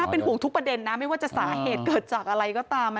เป็นห่วงทุกประเด็นนะไม่ว่าจะสาเหตุเกิดจากอะไรก็ตาม